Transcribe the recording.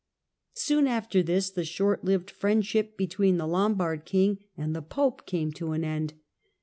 Soon after this the short lived friendship between the Lombard king and the Pope came to an end.